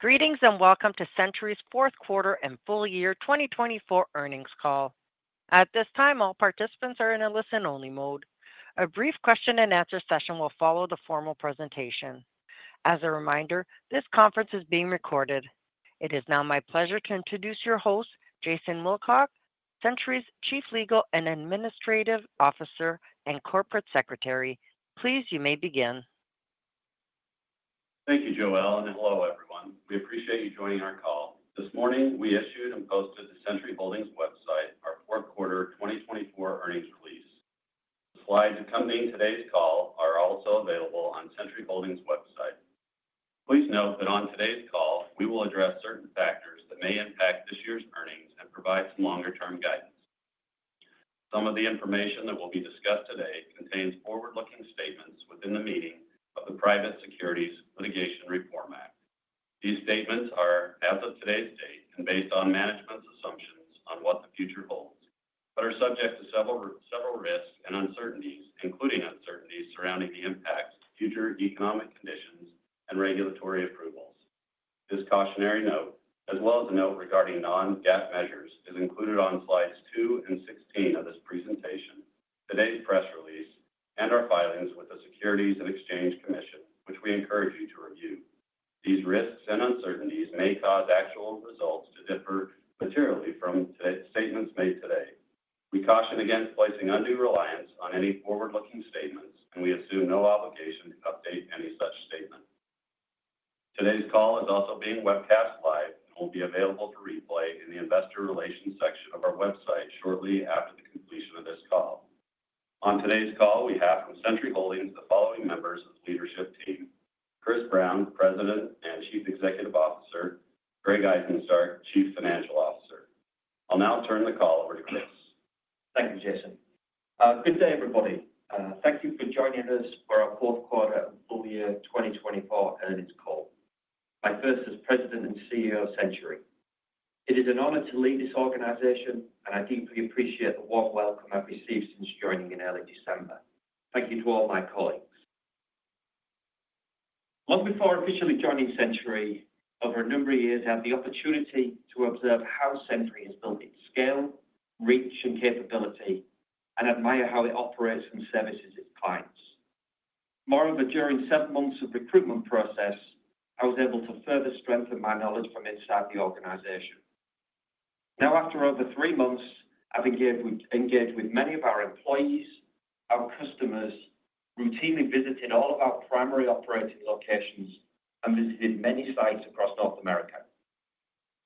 Greetings and welcome to Centuri's fourth quarter and full year 2024 earnings call. At this time, all participants are in a listen-only mode. A brief question-and-answer session will follow the formal presentation. As a reminder, this conference is being recorded. It is now my pleasure to introduce your host, Jason Wilcock, Centuri's Chief Legal and Administrative Officer and Corporate Secretary. Please, you may begin. Thank you, Joelle, and hello, everyone. We appreciate you joining our call. This morning, we issued and posted on the Centuri Holdings' website our fourth quarter 2024 earnings release. The slides accompanying today's call are also available on Centuri Holdings' website. Please note that on today's call, we will address certain factors that may impact this year's earnings and provide some longer-term guidance. Some of the information that will be discussed today contains forward-looking statements within the meaning of the Private Securities Litigation Reform Act. These statements are, as of today's date, based on management's assumptions on what the future holds, but are subject to several risks and uncertainties, including uncertainties surrounding the impacts, future economic conditions, and regulatory approvals. This cautionary note, as well as a note regarding Non-GAAP measures, is included on slides 2 and 16 of this presentation, today's press release, and our filings with the Securities and Exchange Commission, which we encourage you to review. These risks and uncertainties may cause actual results to differ materially from statements made today. We caution against placing undue reliance on any forward-looking statements, and we assume no obligation to update any such statement. Today's call is also being webcast live and will be available for replay in the investor relations section of our website shortly after the completion of this call. On today's call, we have from Centuri Holdings the following members of the leadership team: Chris Brown, President and Chief Executive Officer; Greg Izenstark, Chief Financial Officer. I'll now turn the call over to Chris. Thank you, Jason. Good day, everybody. Thank you for joining us for our fourth quarter and full year 2024 earnings call. My first as President and CEO of Centuri. It is an honor to lead this organization, and I deeply appreciate the warm welcome I've received since joining in early December. Thank you to all my colleagues. Long before officially joining Centuri, over a number of years, I had the opportunity to observe how Centuri has built its scale, reach, and capability, and admire how it operates and services its clients. Moreover, during seven months of recruitment process, I was able to further strengthen my knowledge from inside the organization. Now, after over three months, I've engaged with many of our employees, our customers, routinely visited all of our primary operating locations, and visited many sites across North America.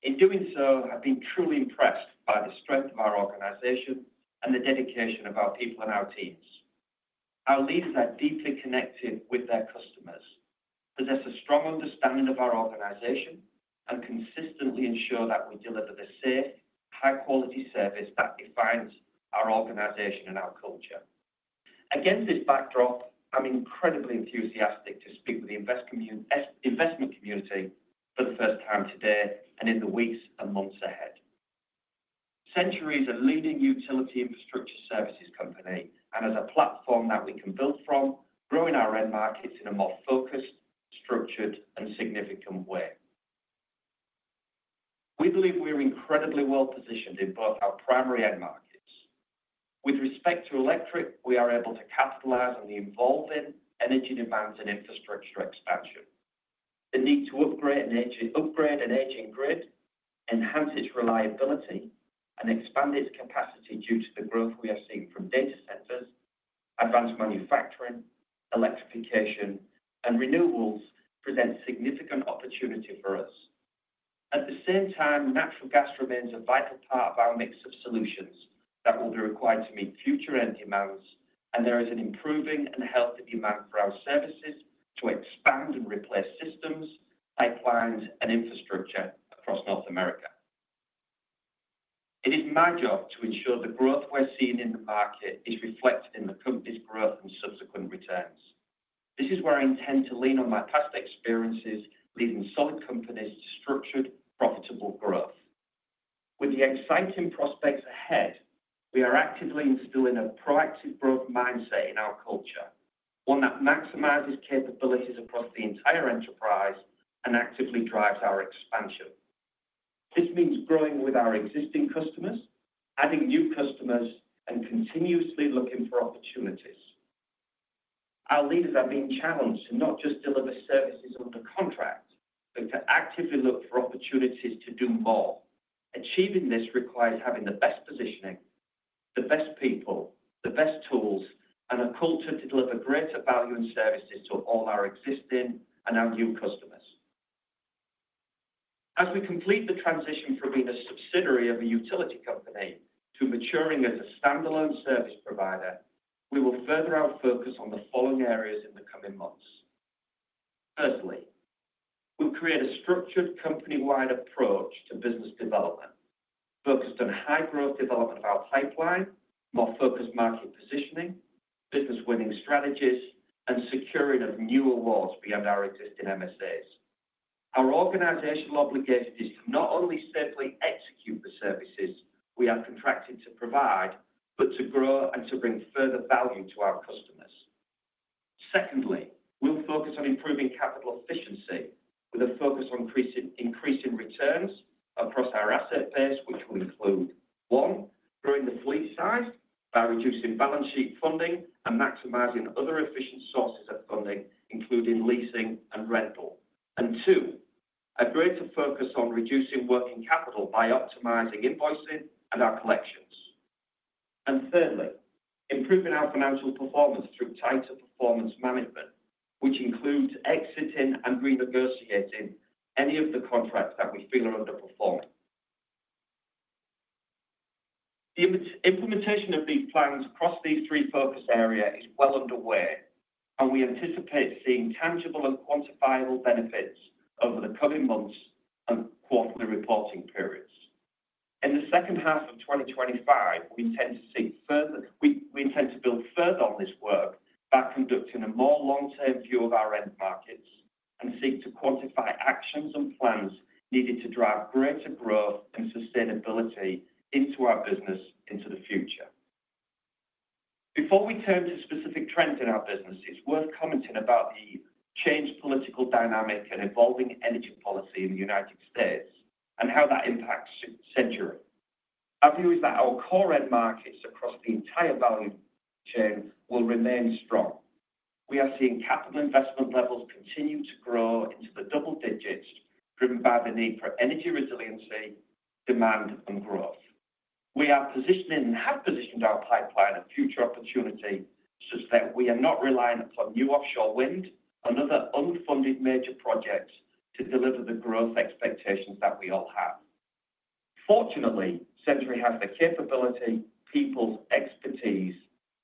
In doing so, I've been truly impressed by the strength of our organization and the dedication of our people and our teams. Our leaders are deeply connected with their customers, possess a strong understanding of our organization, and consistently ensure that we deliver the safe, high-quality service that defines our organization and our culture. Against this backdrop, I'm incredibly enthusiastic to speak with the investment community for the first time today and in the weeks and months ahead. Centuri is a leading utility infrastructure services company and has a platform that we can build from, growing our end markets in a more focused, structured, and significant way. We believe we're incredibly well positioned in both our primary end markets. With respect to electric, we are able to capitalize on the evolving energy demands and infrastructure expansion. The need to upgrade an aging grid, enhance its reliability, and expand its capacity due to the growth we are seeing from data centers, advanced manufacturing, electrification, and renewables presents significant opportunity for us. At the same time, natural gas remains a vital part of our mix of solutions that will be required to meet future end demands, and there is an improving and healthy demand for our services to expand and replace systems, pipelines, and infrastructure across North America. It is my job to ensure the growth we're seeing in the market is reflected in the company's growth and subsequent returns. This is where I intend to lean on my past experiences leading solid companies to structured, profitable growth. With the exciting prospects ahead, we are actively instilling a proactive growth mindset in our culture, one that maximizes capabilities across the entire enterprise and actively drives our expansion. This means growing with our existing customers, adding new customers, and continuously looking for opportunities. Our leaders are being challenged to not just deliver services under contract, but to actively look for opportunities to do more. Achieving this requires having the best positioning, the best people, the best tools, and a culture to deliver greater value and services to all our existing and our new customers. As we complete the transition from being a subsidiary of a utility company to maturing as a standalone service provider, we will further our focus on the following areas in the coming months. Firstly, we'll create a structured company-wide approach to business development focused on high-growth development of our pipeline, more focused market positioning, business-winning strategies, and securing of new awards beyond our existing MSAs. Our organizational obligation is to not only simply execute the services we are contracted to provide, but to grow and to bring further value to our customers. Secondly, we'll focus on improving capital efficiency with a focus on increasing returns across our asset base, which will include, one, growing the fleet size by reducing balance sheet funding and maximizing other efficient sources of funding, including leasing and rental, and two, a greater focus on reducing working capital by optimizing invoicing and our collections, and thirdly, improving our financial performance through tighter performance management, which includes exiting and renegotiating any of the contracts that we feel are underperforming. The implementation of these plans across these three focus areas is well underway, and we anticipate seeing tangible and quantifiable benefits over the coming months and quarterly reporting periods. In the second half of 2025, we intend to build further on this work by conducting a more long-term view of our end markets and seek to quantify actions and plans needed to drive greater growth and sustainability into our business into the future. Before we turn to specific trends in our business, it's worth commenting about the changed political dynamic and evolving energy policy in the United States and how that impacts Centuri. Our view is that our core end markets across the entire value chain will remain strong. We are seeing capital investment levels continue to grow into the double digits, driven by the need for energy resiliency, demand, and growth. We are positioning and have positioned our pipeline and future opportunity such that we are not relying upon new offshore wind and other unfunded major projects to deliver the growth expectations that we all have. Fortunately, Centuri has the capability, people, expertise,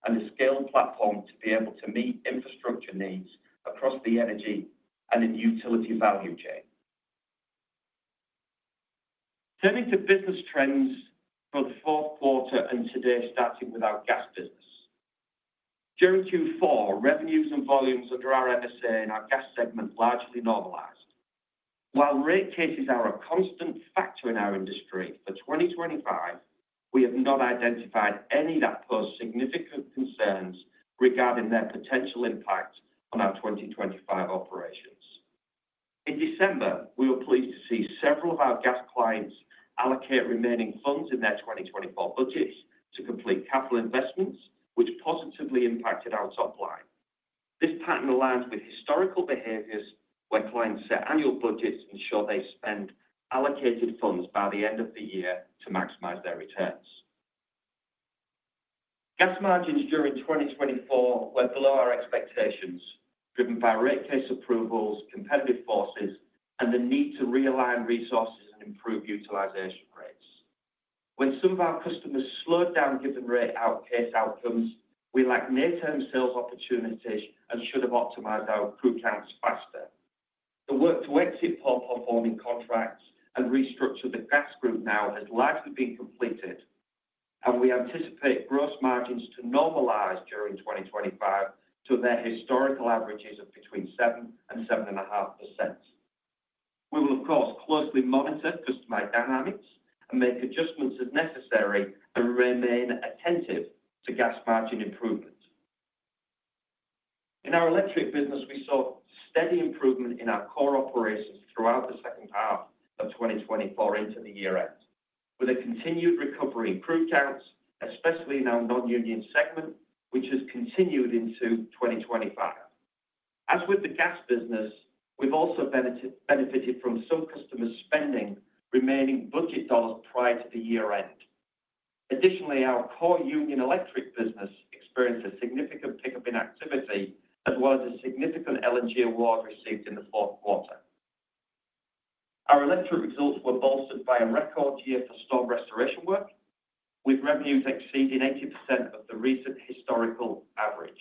and a scaled platform to be able to meet infrastructure needs across the energy and utility value chain. Turning to business trends for the fourth quarter and today, starting with our gas business. During Q4, revenues and volumes under our MSA and our gas segment largely normalized. While rate cases are a constant factor in our industry, for 2025, we have not identified any that pose significant concerns regarding their potential impact on our 2025 operations. In December, we were pleased to see several of our gas clients allocate remaining funds in their 2024 budgets to complete capital investments, which positively impacted our top line. This pattern aligns with historical behaviors where clients set annual budgets to ensure they spend allocated funds by the end of the year to maximize their returns. Gas margins during 2024 were below our expectations, driven by rate case approvals, competitive forces, and the need to realign resources and improve utilization rates. When some of our customers slowed down given rate case outcomes, we lacked near-term sales opportunities and should have optimized our crew counts faster. The work to exit poor-performing contracts and restructure the gas group now has largely been completed, and we anticipate gross margins to normalize during 2025 to their historical averages of between 7% and 7.5%. We will, of course, closely monitor customer dynamics and make adjustments as necessary and remain attentive to gas margin improvement. In our electric business, we saw steady improvement in our core operations throughout the second half of 2024 into the year end, with a continued recovery in crew counts, especially in our non-union segment, which has continued into 2025. As with the gas business, we've also benefited from some customers spending remaining budget dollars prior to the year end. Additionally, our core union electric business experienced a significant pickup in activity, as well as a significant LNG award received in the fourth quarter. Our electric results were bolstered by a record year for storm restoration work, with revenues exceeding 80% of the recent historical average.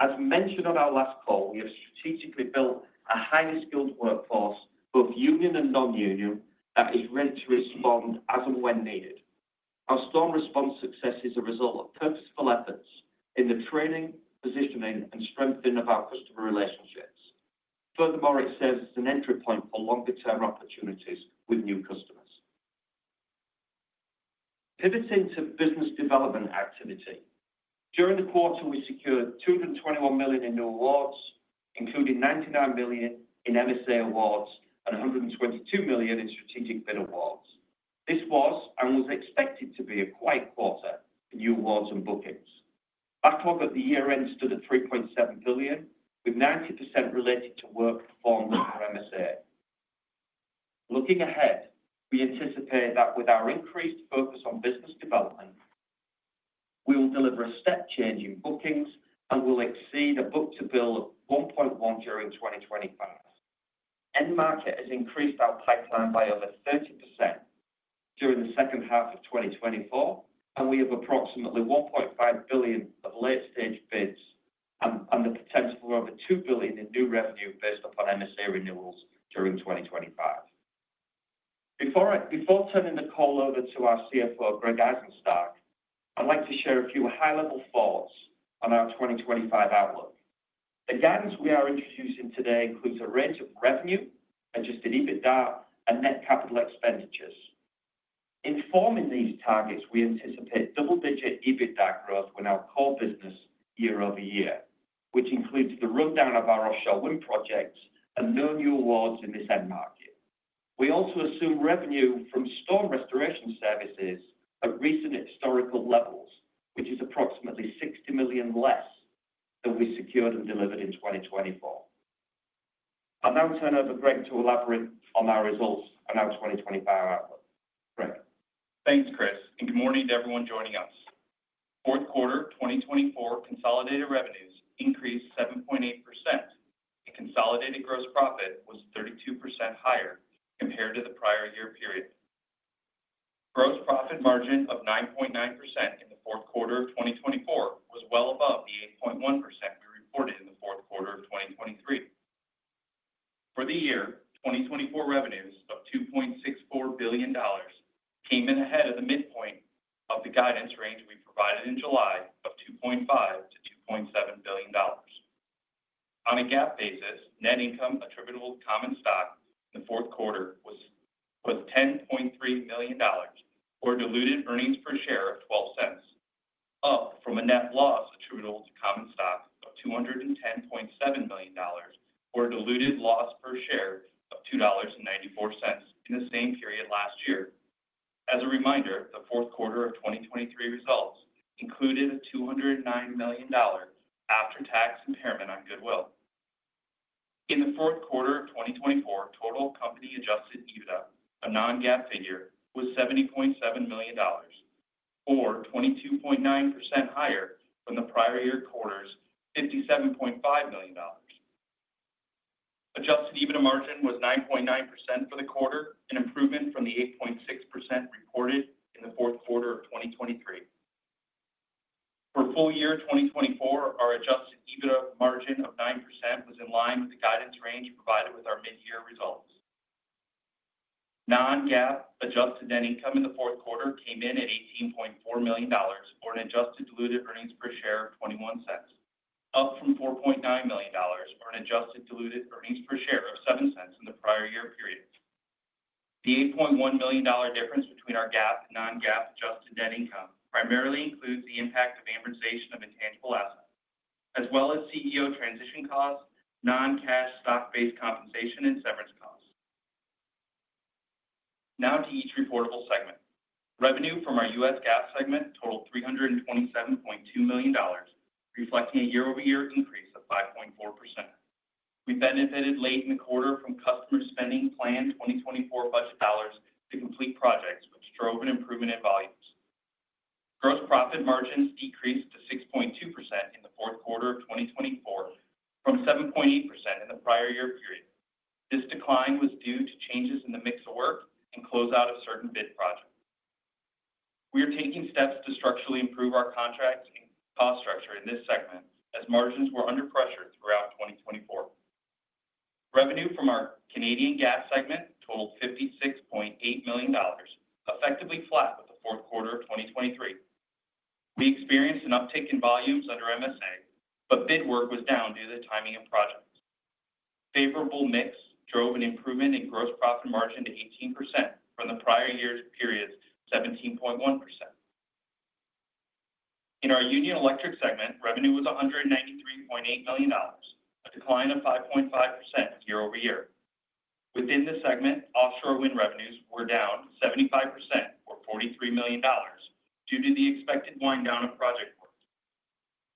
As mentioned on our last call, we have strategically built a highly skilled workforce, both union and non-union, that is ready to respond as and when needed. Our storm response success is a result of purposeful efforts in the training, positioning, and strengthening of our customer relationships. Furthermore, it serves as an entry point for longer-term opportunities with new customers. Pivoting to business development activity, during the quarter, we secured $221 million in new awards, including $99 million in MSA awards and $122 million in strategic bid awards. This was and was expected to be a quiet quarter for new awards and bookings. Backlog at the year end stood at $3.7 billion, with 90% related to work performed under MSA. Looking ahead, we anticipate that with our increased focus on business development, we will deliver a step change in bookings and will exceed a book-to-bill of 1.1 during 2025. market has increased our pipeline by over 30% during the second half of 2024, and we have approximately $1.5 billion of late-stage bids and the potential for over $2 billion in new revenue based upon MSA renewals during 2025. Before turning the call over to our CFO, Greg Izenstark, I'd like to share a few high-level thoughts on our 2025 outlook. The guidance we are introducing today includes a range of revenue, Adjusted EBITDA, and net capital expenditures. Informing these targets, we anticipate double-digit EBITDA growth with our core business year over year, which includes the rundown of our offshore wind projects and no new awards in this end market. We also assume revenue from storm restoration services at recent historical levels, which is approximately $60 million less than we secured and delivered in 2024. I'll now turn over, Greg, to elaborate on our results and our 2025 outlook. Thanks, Chris, and good morning to everyone joining us. Fourth quarter 2024 consolidated revenues increased 7.8%. The consolidated gross profit was 32% higher compared to the prior year period. Gross profit margin of 9.9% in the fourth quarter of 2024 was well above the 8.1% we reported in the fourth quarter of 2023. For the year, 2024 revenues of $2.64 billion came in ahead of the midpoint of the guidance range we provided in July of $2.5-$2.7 billion. On a GAAP basis, net income attributable to common stock in the fourth quarter was $10.3 million, or diluted earnings per share of $0.12, up from a net loss attributable to common stock of $210.7 million, or diluted loss per share of $2.94 in the same period last year. As a reminder, the fourth quarter of 2023 results included a $209 million after-tax impairment on goodwill. In the fourth quarter of 2024, total company Adjusted EBITDA, a non-GAAP figure, was $70.7 million, or 22.9% higher than the prior year quarter's $57.5 million. Adjusted EBITDA margin was 9.9% for the quarter, an improvement from the 8.6% reported in the fourth quarter of 2023. For full year 2024, our Adjusted EBITDA margin of 9% was in line with the guidance range provided with our mid-year results. Non-GAAP Adjusted Net Income in the fourth quarter came in at $18.4 million, or an Adjusted Diluted Earnings Per Share of $0.21, up from $4.9 million, or an Adjusted Diluted Earnings Per Share of $0.07 in the prior year period. The $8.1 million difference between our GAAP and non-GAAP Adjusted Net Income primarily includes the impact of amortization of intangible assets, as well as CEO transition costs, non-cash stock-based compensation, and severance costs. Now to each reportable segment. Revenue from our U.S. Gas segment totaled $327.2 million, reflecting a year-over-year increase of 5.4%. We benefited late in the quarter from customer spending planned 2024 budget dollars to complete projects, which drove an improvement in volumes. Gross profit margins decreased to 6.2% in the fourth quarter of 2024 from 7.8% in the prior year period. This decline was due to changes in the mix of work and closeout of certain bid projects. We are taking steps to structurally improve our contracts and cost structure in this segment, as margins were under pressure throughout 2024. Revenue from our Canadian Gas segment totaled $56.8 million, effectively flat with the fourth quarter of 2023. We experienced an uptick in volumes under MSA, but bid work was down due to the timing of projects. Favorable mix drove an improvement in gross profit margin to 18% from the prior year's period's 17.1%. In our Union Electric segment, revenue was $193.8 million, a decline of 5.5% year over year. Within the segment, offshore wind revenues were down 75%, or $43 million, due to the expected wind-down of project work.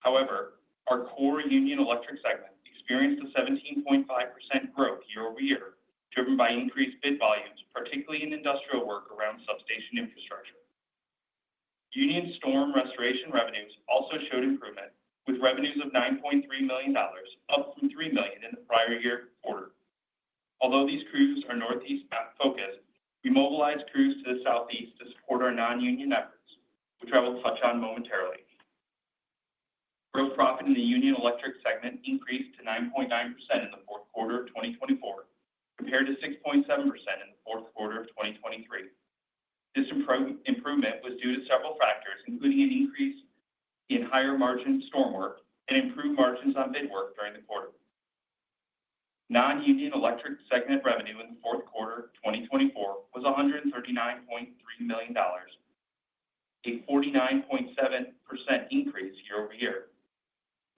However, our core Union Electric segment experienced a 17.5% growth year over year, driven by increased bid volumes, particularly in industrial work around substation infrastructure. Union storm restoration revenues also showed improvement, with revenues of $9.3 million, up from $3 million in the prior year quarter. Although these crews are Northeast-focused, we mobilized crews to the Southeast to support our non-union efforts, which I will touch on momentarily. Gross profit in the Union Electric segment increased to 9.9% in the fourth quarter of 2024, compared to 6.7% in the fourth quarter of 2023. This improvement was due to several factors, including an increase in higher margin storm work and improved margins on bid work during Non-Union Electric segment revenue in the fourth quarter of 2024 was $139.3 million, a 49.7% increase year over year.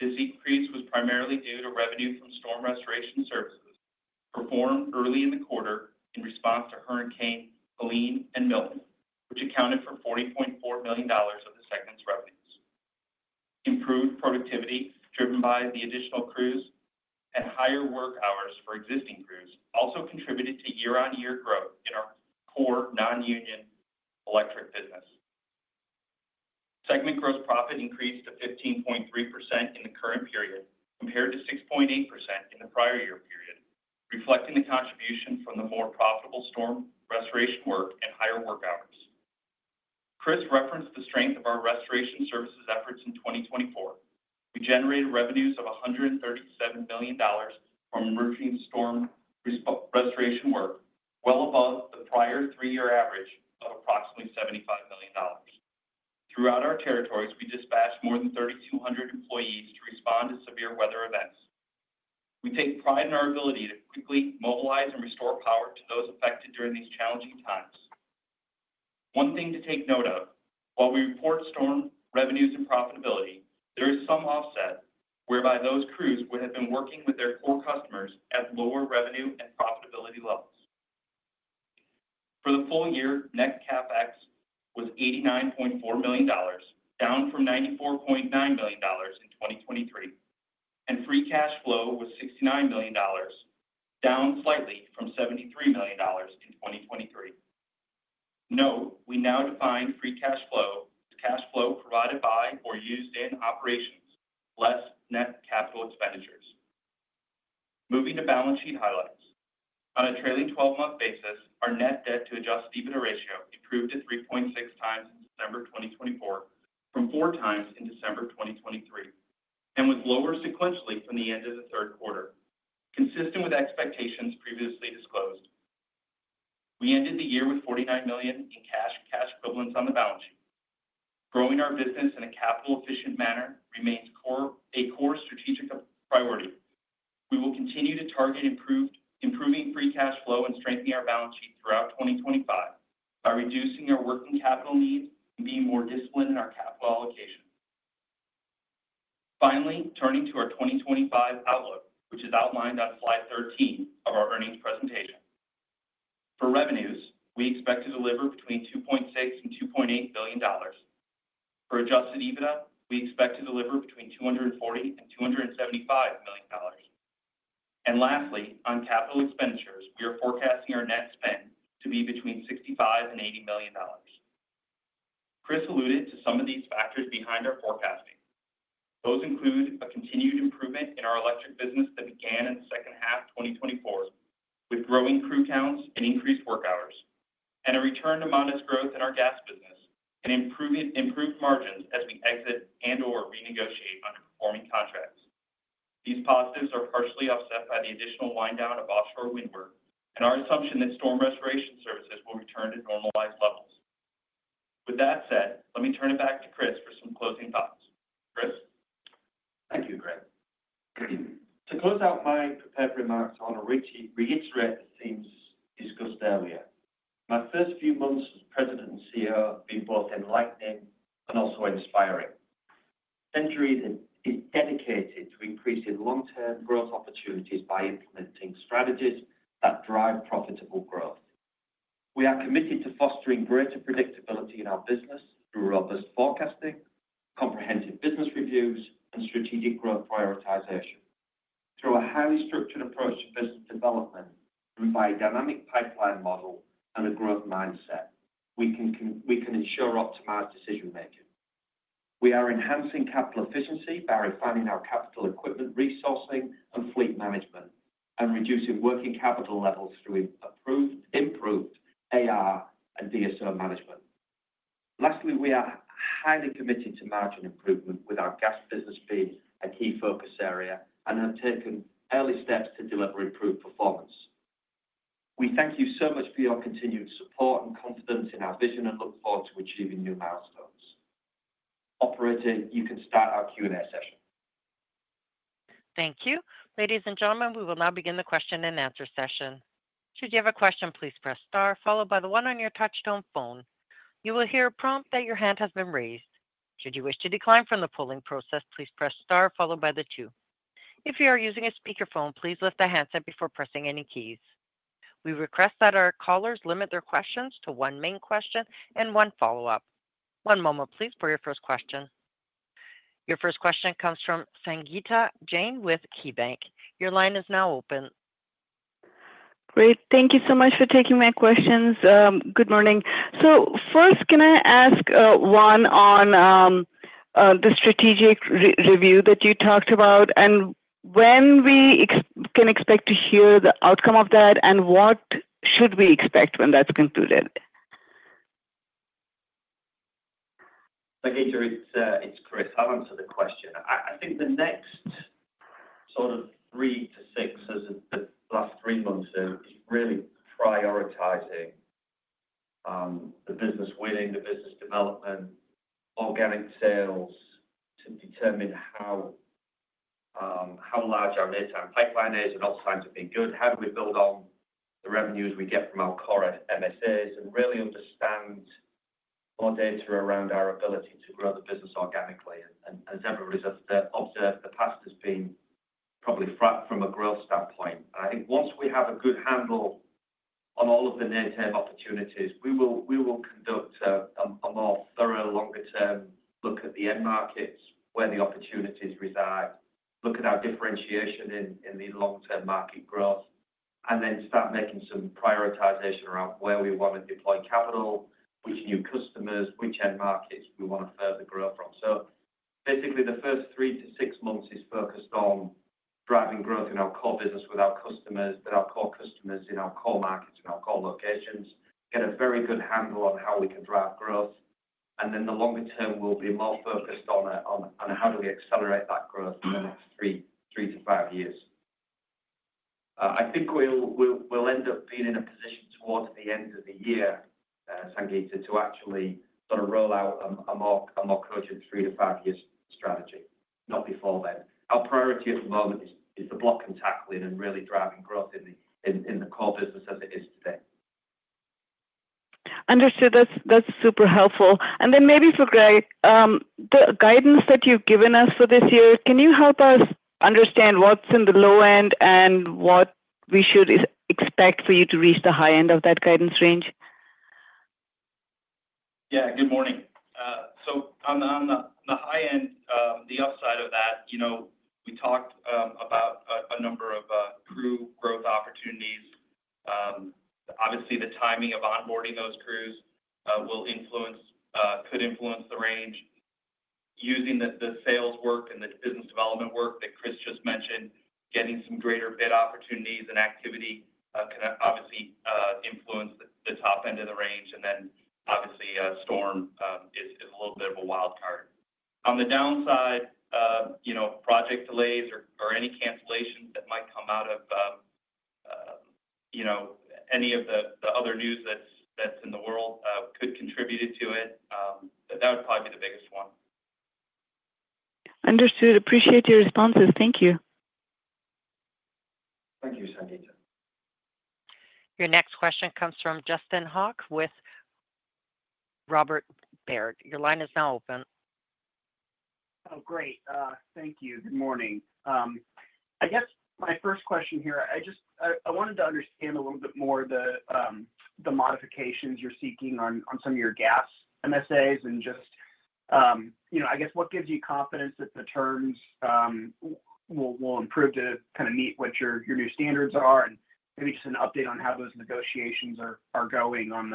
This increase was primarily due to revenue from storm restoration services performed early in the quarter in response to Hurricane Helene and Milton, which accounted for $40.4 million of the segment's revenues. Improved productivity, driven by the additional crews and higher work hours for existing crews, also contributed to year-on-year growth in our core non-union electric business. Segment gross profit increased to 15.3% in the current period, compared to 6.8% in the prior year period, reflecting the contribution from the more profitable storm restoration work and higher work hours. Chris referenced the strength of our restoration services efforts in 2024. We generated revenues of $137 million from emerging storm restoration work, well above the prior three-year average of approximately $75 million. Throughout our territories, we dispatched more than 3,200 employees to respond to severe weather events. We take pride in our ability to quickly mobilize and restore power to those affected during these challenging times. One thing to take note of: while we report storm revenues and profitability, there is some offset whereby those crews would have been working with their core customers at lower revenue and profitability levels. For the full year, net Capex was $89.4 million, down from $94.9 million in Free Cash Flow was $69 million, down slightly from $73 million in 2023. Note we Free Cash Flow as cash flow provided by or used in operations, less net capital expenditures. Moving to balance sheet highlights. On a trailing 12-month basis, our net debt-to-Adjusted EBITDA ratio improved to 3.6 times in December 2024 from 4 times in December 2023, and was lower sequentially from the end of the third quarter, consistent with expectations previously disclosed. We ended the year with $49 million in cash equivalents on the balance sheet. Growing our business in a capital-efficient manner remains a core strategic priority. We will continue to Free Cash Flow and strengthening our balance sheet throughout 2025 by reducing our working capital needs and being more disciplined in our capital allocation. Finally, turning to our 2025 outlook, which is outlined on slide 13 of our earnings presentation. For revenues, we expect to deliver between $2.6 and $2.8 billion. For Adjusted EBITDA, we expect to deliver between $240 and $275 million. And lastly, on capital expenditures, we are forecasting our net spend to be between $65-$80 million. Chris alluded to some of these factors behind our forecasting. Those include a continued improvement in our electric business that began in the second half of 2024, with growing crew counts and increased work hours, and a return to modest growth in our gas business and improved margins as we exit and/or renegotiate underperforming contracts. These positives are partially offset by the additional wind-down of offshore wind work and our assumption that storm restoration services will return to normalized levels. With that said, let me turn it back to Chris for some closing thoughts. Chris. Thank you, Greg. To close out my prepared remarks, I want to reiterate the themes discussed earlier. My first few months as President and CEO have been both enlightening and also inspiring. Centuri is dedicated to increasing long-term growth opportunities by implementing strategies that drive profitable growth. We are committed to fostering greater predictability in our business through robust forecasting, comprehensive business reviews, and strategic growth prioritization. Through a highly structured approach to business development, driven by a dynamic pipeline model and a growth mindset, we can ensure optimized decision-making. We are enhancing capital efficiency by refining our capital equipment resourcing and fleet management and reducing working capital levels through improved AR and DSO management. Lastly, we are highly committed to margin improvement, with our gas business being a key focus area, and have taken early steps to deliver improved performance. We thank you so much for your continued support and confidence in our vision and look forward to achieving new milestones. Operator, you can start our Q&A session. Thank you. Ladies and gentlemen, we will now begin the question-and-answer session. Should you have a question, please press star, followed by the one on your touch-tone phone. You will hear a prompt that your hand has been raised. Should you wish to decline from the polling process, please press star, followed by the two. If you are using a speakerphone, please lift the handset before pressing any keys. We request that our callers limit their questions to one main question and one follow-up. One moment, please, for your first question. Your first question comes from Sangita Jain with KeyBanc. Your line is now open. Great. Thank you so much for taking my questions. Good morning. So first, can I ask one on the strategic review that you talked about, and when we can expect to hear the outcome of that, and what should we expect when that's concluded? Thank you, Jain. It's Chris. I'll answer the question. I think the next sort of three to six is the last three months is really prioritizing the business winning, the business development, organic sales to determine how large our near-term pipeline is and what signs have been good. How do we build on the revenues we get from our core MSAs and really understand more data around our ability to grow the business organically, and as everybody's observed, the past has been probably flat from a growth standpoint, and I think once we have a good handle on all of the near-term opportunities, we will conduct a more thorough, longer-term look at the end markets, where the opportunities reside, look at our differentiation in the long-term market growth, and then start making some prioritization around where we want to deploy capital, which new customers, which end markets we want to further grow from. So basically, the first three to six months is focused on driving growth in our core business with our customers, with our core customers in our core markets and our core locations, get a very good handle on how we can drive growth. And then the longer term will be more focused on how do we accelerate that growth in the next three to five years. I think we'll end up being in a position towards the end of the year, Sangita, to actually sort of roll out a more cogent three- to five-year strategy, not before then. Our priority at the moment is the block and tackling and really driving growth in the core business as it is today. Understood. That's super helpful. And then maybe for Greg, the guidance that you've given us for this year, can you help us understand what's in the low end and what we should expect for you to reach the high end of that guidance range? Yeah. Good morning. So on the high end, the upside of that, we talked about a number of crew growth opportunities. Obviously, the timing of onboarding those crews could influence the range. Using the sales work and the business development work that Chris just mentioned, getting some greater bid opportunities and activity can obviously influence the top end of the range. And then obviously, storm is a little bit of a wild card. On the downside, project delays or any cancellations that might come out of any of the other news that's in the world could contribute to it. But that would probably be the biggest one. Understood. Appreciate your responses. Thank you. Thank you, Sangita. Your next question comes from Justin Hauke with Robert W. Baird. Your line is now open. Oh, great. Thank you. Good morning. I guess my first question here, I wanted to understand a little bit more the modifications you're seeking on some of your gas MSAs and just, I guess, what gives you confidence that the terms will improve to kind of meet what your new standards are and maybe just an update on how those negotiations are going on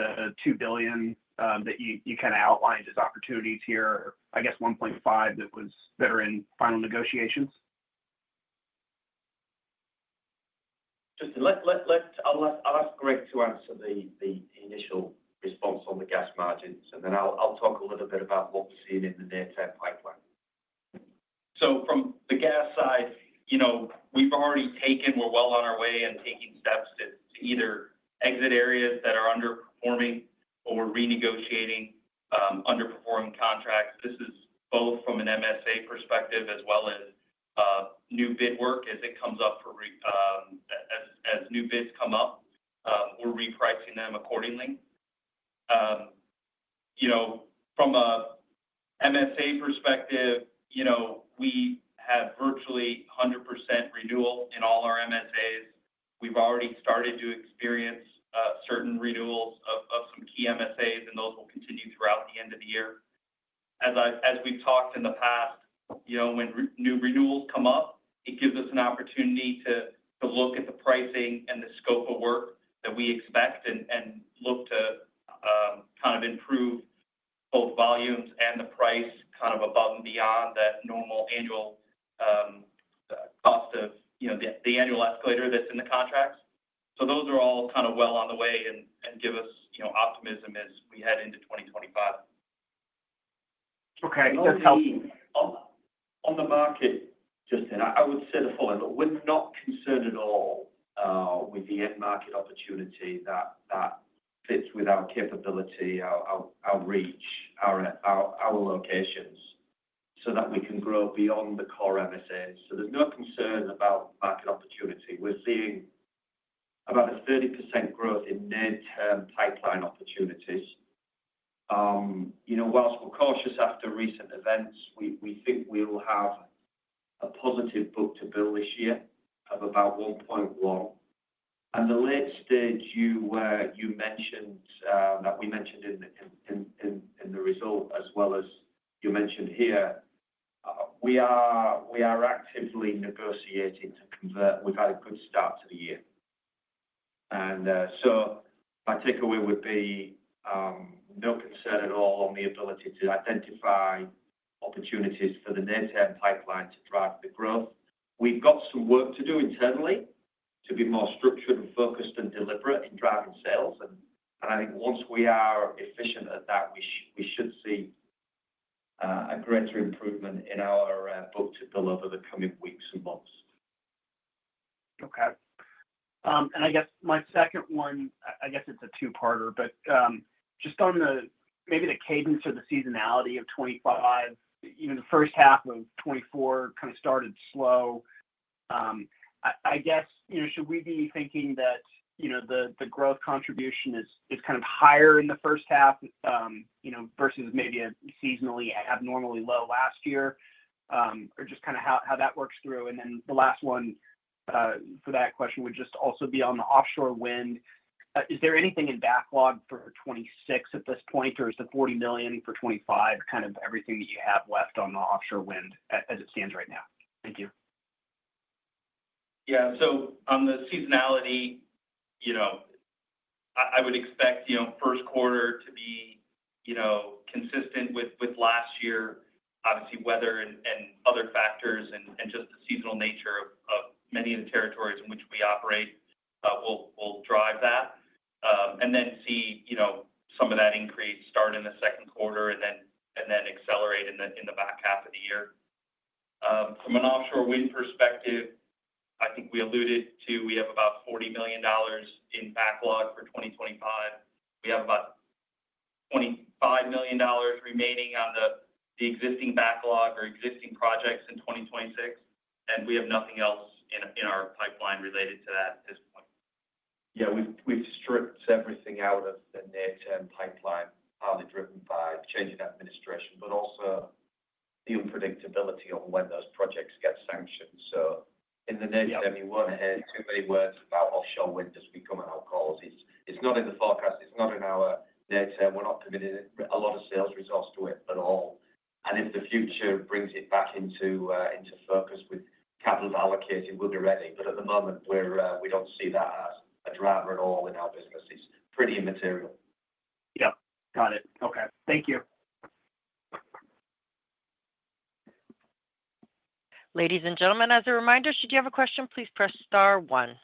the $2 billion that you kind of outlined as opportunities here, I guess, $1.5 billion that was better in final negotiations? Justin, I'll ask Greg to answer the initial response on the gas margins, and then I'll talk a little bit about what we're seeing in the near-term pipeline. From the gas side, we've already taken - we're well on our way and taking steps to either exit areas that are underperforming or renegotiating underperforming contracts. This is both from an MSA perspective as well as new bid work as it comes up for - as new bids come up, we're repricing them accordingly. From an MSA perspective, we have virtually 100% renewal in all our MSAs. We've already started to experience certain renewals of some key MSAs, and those will continue throughout the end of the year. As we've talked in the past, when new renewals come up, it gives us an opportunity to look at the pricing and the scope of work that we expect and look to kind of improve both volumes and the price kind of above and beyond that normal annual cost of the annual escalator that's in the contracts. So those are all kind of well on the way and give us optimism as we head into 2025. Okay. That's helpful. On the market, Justin, I would say the following: we're not concerned at all with the end market opportunity that fits with our capability, our reach, our locations so that we can grow beyond the core MSAs. So there's no concern about market opportunity. We're seeing about a 30% growth in near-term pipeline opportunities. While we're cautious after recent events, we think we'll have a positive book-to-bill this year of about $1.1. And the late stage you mentioned that we mentioned in the result, as well as you mentioned here, we are actively negotiating to convert. We've had a good start to the year. My takeaway would be no concern at all on the ability to identify opportunities for the near-term pipeline to drive the growth. We've got some work to do internally to be more structured and focused and deliberate in driving sales. I think once we are efficient at that, we should see a greater improvement in our book-to-bill over the coming weeks and months. Okay. I guess my second one. I guess it's a two-parter, but just on maybe the cadence or the seasonality of 2025. The first half of 2024 kind of started slow. I guess, should we be thinking that the growth contribution is kind of higher in the first half versus maybe a seasonally abnormally low last year, or just kind of how that works through? Then the last one for that question would just also be on the offshore wind. Is there anything in backlog for 2026 at this point, or is the $40 million for 2025 kind of everything that you have left on the offshore wind as it stands right now? Thank you. Yeah. So on the seasonality, I would expect first quarter to be consistent with last year. Obviously, weather and other factors and just the seasonal nature of many of the territories in which we operate will drive that. And then see some of that increase start in the second quarter and then accelerate in the back half of the year. From an offshore wind perspective, I think we alluded to we have about $40 million in backlog for 2025. We have about $25 million remaining on the existing backlog or existing projects in 2026. And we have nothing else in our pipeline related to that at this point. Yeah. We've stripped everything out of the near-term pipeline, partly driven by changing administration, but also the unpredictability on when those projects get sanctioned. So in the near term, you won't hear too many words about offshore wind as we come on our calls. It's not in the forecast. It's not in our near term. We're not committing a lot of sales results to it at all. And if the future brings it back into focus with capital allocation, we'll be ready. But at the moment, we don't see that as a driver at all in our business. It's pretty immaterial. Yep. Got it. Okay. Thank you. Ladies and gentlemen, as a reminder, should you have a question, please press star one.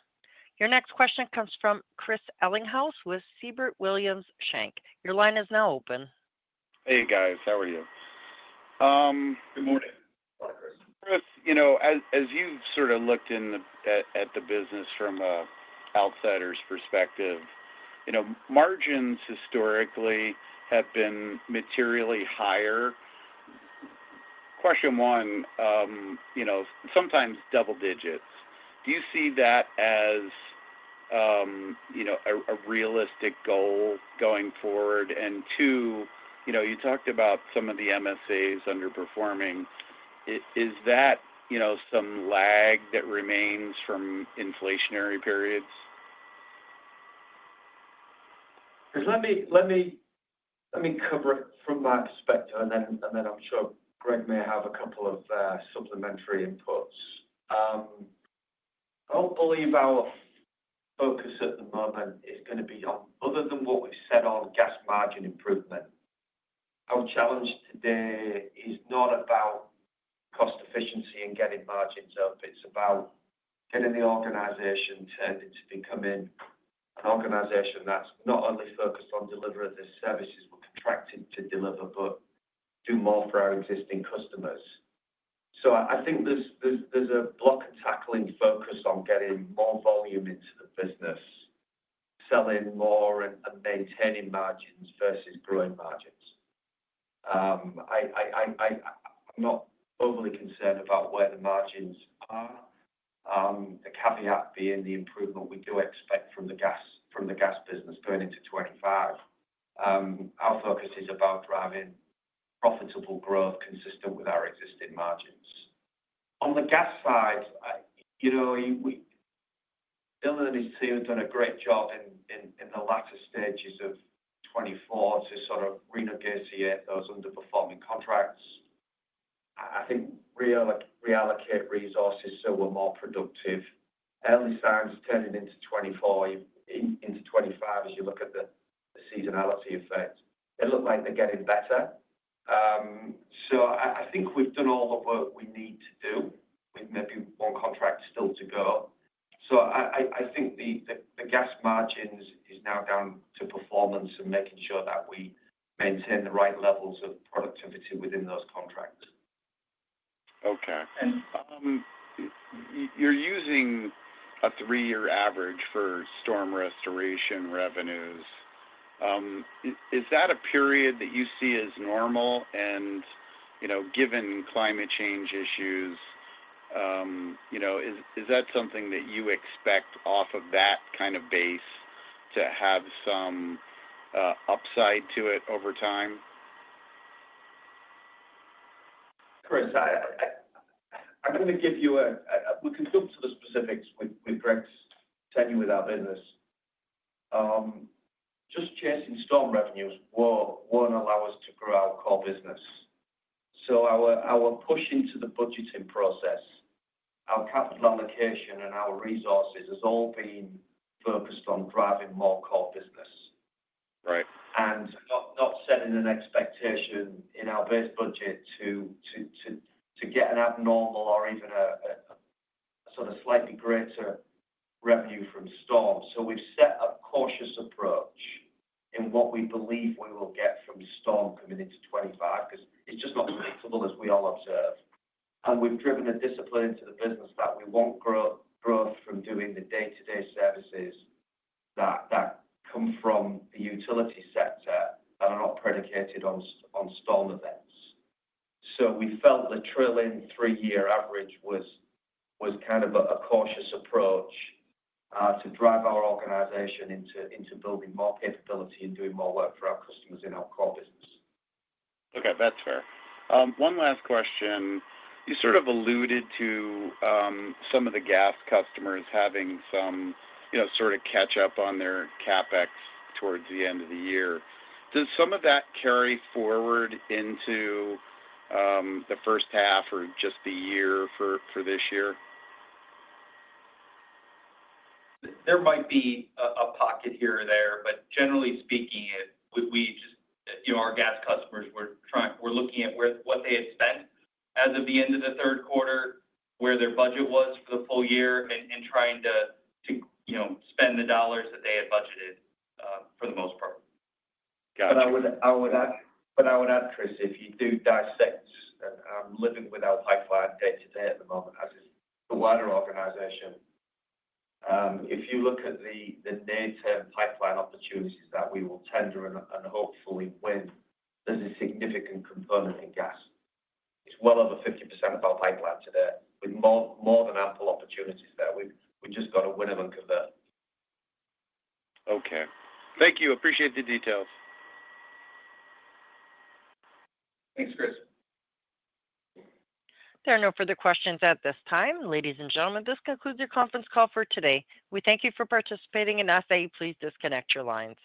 Your next question comes from Chris Ellinghaus with Siebert Williams Shank. Your line is now open. Hey, guys. How are you? Good morning. Hi, Chris. Chris, as you've sort of looked at the business from an outsider's perspective, margins historically have been materially higher. Question one, sometimes double digits. Do you see that as a realistic goal going forward? And two, you talked about some of the MSAs underperforming. Is that some lag that remains from inflationary periods? Let me cover it from that perspective, and then I'm sure Greg may have a couple of supplementary inputs. I don't believe our focus at the moment is going to be on, other than what we've said, on gas margin improvement. Our challenge today is not about cost efficiency and getting margins up. It's about getting the organization turned into becoming an organization that's not only focused on delivering the services we're contracted to deliver, but do more for our existing customers. So I think there's a blocking and tackling focus on getting more volume into the business, selling more and maintaining margins versus growing margins. I'm not overly concerned about where the margins are, the caveat being the improvement we do expect from the gas business going into 2025. Our focus is about driving profitable growth consistent with our existing margins. On the gas side, Bill and his team have done a great job in the latter stages of 2024 to sort of renegotiate those underperforming contracts. I think reallocate resources so we're more productive. Early signs turning into 2025 as you look at the seasonality effect. They look like they're getting better. So I think we've done all the work we need to do. We've maybe one contract still to go. So, I think the gas margins is now down to performance and making sure that we maintain the right levels of productivity within those contracts. Okay. And you're using a three-year average for storm restoration revenues. Is that a period that you see as normal? And given climate change issues, is that something that you expect off of that kind of base to have some upside to it over time? Chris, I'm going to give you a—we can jump to the specifics with Greg's tenure with our business. Just chasing storm revenues won't allow us to grow our core business. So our push into the budgeting process, our capital allocation, and our resources has all been focused on driving more core business and not setting an expectation in our base budget to get an abnormal or even a sort of slightly greater revenue from storm. So we've set a cautious approach in what we believe we will get from storm coming into 2025 because it's just not predictable, as we all observe. And we've driven a discipline into the business that we want growth from doing the day-to-day services that come from the utility sector that are not predicated on storm events. So we felt the trailing three-year average was kind of a cautious approach to drive our organization into building more capability and doing more work for our customers in our core business. Okay. That's fair. One last question. You sort of alluded to some of the gas customers having some sort of catch-up on their CapEx towards the end of the year. Does some of that carry forward into the first half or just the year for this year? There might be a pocket here or there, but generally speaking, our gas customers, we're looking at what they had spent as of the end of the third quarter, where their budget was for the full year, and trying to spend the dollars that they had budgeted for the most part. Got it. But I would add, Chris, if you dissect the pipeline day to day at the moment as the wider organization, if you look at the near-term pipeline opportunities that we will tender and hopefully win, there's a significant component in gas. It's well over 50% of our pipeline today. We have more than ample opportunities there. We've just got to win them and convert. Okay. Thank you. Appreciate the details. Thanks, Chris. There are no further questions at this time. Ladies and gentlemen, this concludes your conference call for today. We thank you for participating and ask that you please disconnect your lines.